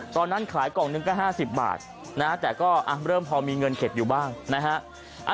ตอนนั้นขายกล่องหนึ่งก็๕๐บาทนะฮะแต่ก็เริ่มพอมีเงินเก็บอยู่บ้างนะฮะ